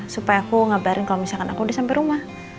supaya aku ngabarin kalo misalkan aku udah sampe rumah